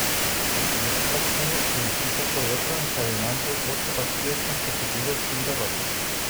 Desde ese partido, el equipo fue otro encadenando ocho partidos consecutivos sin derrotas.